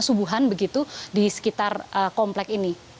subuhan begitu di sekitar komplek ini